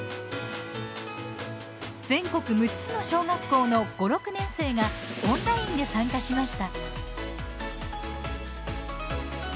全国６つの小学校の５、６年生がオンラインで参加しました。